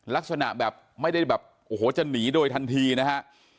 ลักษณะแบบไม่ได้แบบโอ้โหจะหนีโดยทันทีนะฮะ